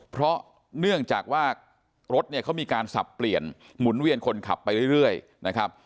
เพราะเนื่องจากว่ารถเนี่ยเขามีการสับเปลี่ยนหมุนเวียนคนขับไปเรื่อยนะครับ